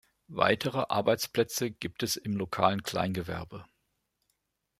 Weitere Arbeitsplätze gibt es im lokalen Kleingewerbe.